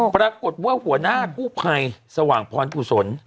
ปรากฏว่าหัวหน้ากู้ภัยสว่างพรกุศล